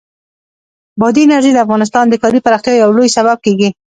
بادي انرژي د افغانستان د ښاري پراختیا یو لوی سبب کېږي.